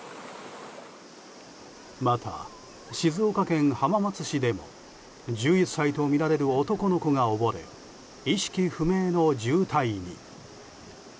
また、静岡県浜松市でも１１歳とみられる男の子が溺れ意識不明の重体に。